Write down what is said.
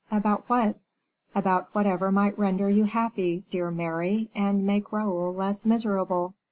"About what?" "About whatever might render you happy, dear Mary, and make Raoul less miserable."